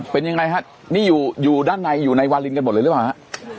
เป็นยังไงฮะนี่อยู่ด้านในอยู่ในวาลินกันหมดเลยหรือเปล่าฮะ